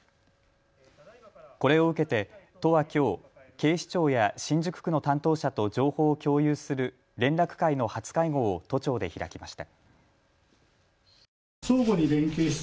これを受けて都はきょう警視庁や新宿区の担当者と情報を共有する連絡会の初会合を都庁で開きました。